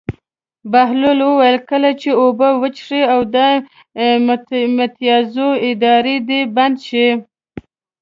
بهلول وویل: کله چې اوبه وڅښې او د متیازو ادرار دې بند شي.